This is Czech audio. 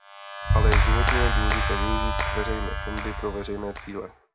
Ale je životně důležité využít veřejné fondy pro veřejné cíle.